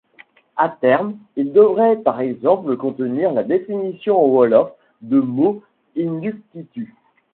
À terme, il devrait par exemple contenir la définition en wolof de mots inuktitut.